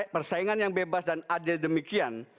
persaingan yang bebas dan adil demikian